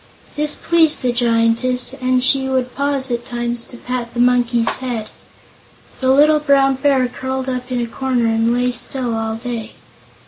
This pleased the Giantess and she would pause at times to pat the Monkey's head. The little Brown Bear curled up in a corner and lay still all day.